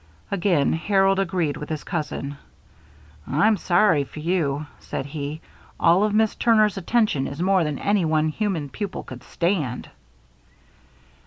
Again Harold agreed with his cousin. "I'm sorry for you," said he. "All of Miss Turner's attention is more than any one human pupil could stand."